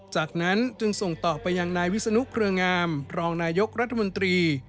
จากนั้นจึงส่งต่อไปยังนายวิศนุเครืองามรองนายกรัฐมนตรี